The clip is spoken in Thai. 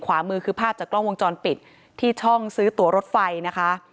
ขวามือคือภาพจากกล้องวงจรปิดที่ช่องซื้อตัวรถไฟนะคะ